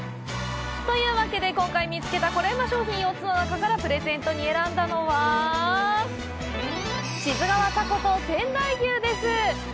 今回見つけたコレうま商品４つの中からプレゼントに選んだのは志津川たこと仙台牛です！